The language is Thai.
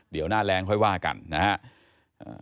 เดี๋ยวหน้าแรงค่อยว่ากันนะครับ